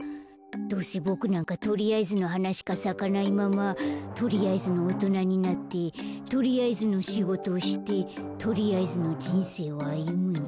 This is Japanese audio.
どうせボクなんかとりあえずのはなしかさかないままとりあえずのおとなになってとりあえずのしごとをしてとりあえずのじんせいをあゆむんだ。